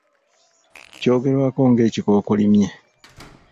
Kyogerwako ng'ekikookolimye.